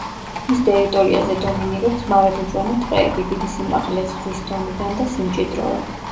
მის ტერიტორიაზე დომინირებს მარადმწვანე ტყეები, დიდი სიმაღლე ზღვის დონიდან და სიმჭიდროვე.